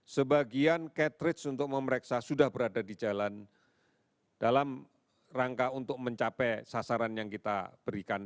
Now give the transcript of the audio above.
sebagian catridge untuk memeriksa sudah berada di jalan dalam rangka untuk mencapai sasaran yang kita berikan